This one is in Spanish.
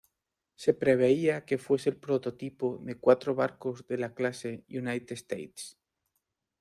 Se preveía que fuese el prototipo de cuatro barcos de la clase "United States".